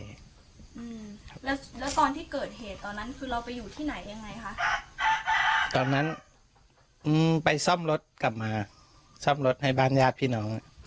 แล้วก่อนที่เกิดเหตุตอนนั้นคือเราไปอยู่ที่ไหนตอนนั้นไปซ่อมรถกลับมาซ่อมรถไปบ้านญาติพี่น้อง